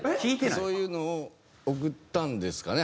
そういうのを送ったんですかね？